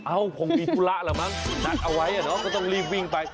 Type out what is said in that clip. คงมีธุระแหละมั้งนัดเอาไว้อ่ะเนอะก็ต้องรีบวิ่งไป